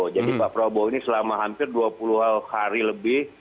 jadi pak prabowo ini selama hampir dua puluh hari lebih berkomunikasi